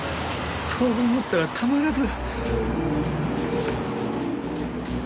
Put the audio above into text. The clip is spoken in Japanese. そう思ったらたまらず。